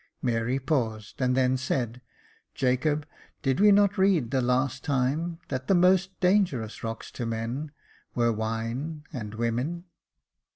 Mary paused, and then said, " Jacob, did we not read the last time that the most dangerous rocks to men were ivine and ivomen